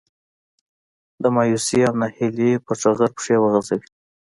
د مايوسي او ناهيلي په ټغر پښې وغځوي.